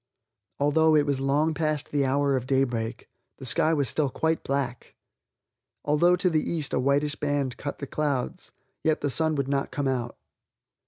Although it was long past the hour of daybreak, the sky was still quite black. Although to the east a whitish band cut the clouds, yet the sun would not come out.